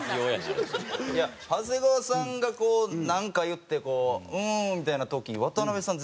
長谷川さんがこうなんか言ってこううーんみたいな時渡辺さん